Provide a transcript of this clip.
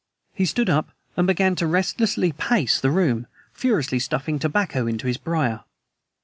He stood up and began restlessly to pace the room, furiously stuffing tobacco into his briar.